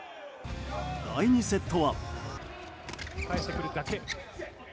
第２セットは。